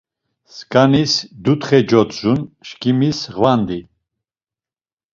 Skanis Dutxe codzun, çkimis Ğvandi.